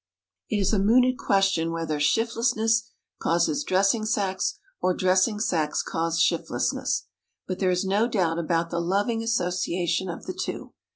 It is a mooted question whether shiftlessness causes dressing sacks, or dressing sacks cause shiftlessness, but there is no doubt about the loving association of the two.